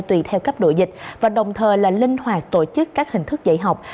tùy theo cấp độ dịch và đồng thời là linh hoạt tổ chức các hình thức dạy học